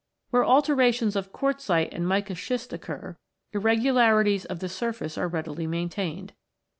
Where alternations of quartzite and mica schist occur, irregularities of the surface are readily main tained.